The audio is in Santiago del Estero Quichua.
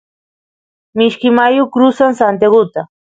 mishki mayu crusan santiaguta